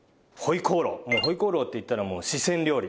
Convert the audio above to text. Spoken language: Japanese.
もう回鍋肉といったらもう四川料理。